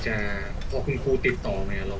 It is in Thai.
ส่วนยังแบร์ดแซมแบร์ด